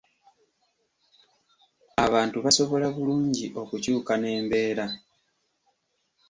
Abantu basobola bulungi okukyuka n’embeera.